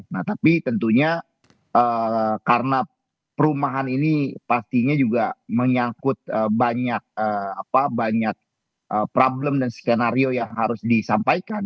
nah tapi tentunya karena perumahan ini pastinya juga menyangkut banyak problem dan skenario yang harus disampaikan